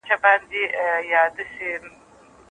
د نکاح يو حکم د خاوند او ميرمني تر منځ د جماع حلالوالی دی